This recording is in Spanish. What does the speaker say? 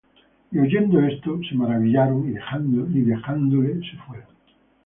Y oyendo esto, se maravillaron, y dejándole se fueron.